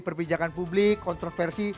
perpijakan publik kontroversi